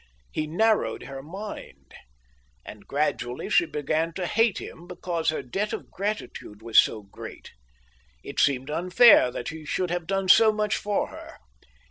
He narrowed her mind. And gradually she began to hate him because her debt of gratitude was so great. It seemed unfair that he should have done so much for her.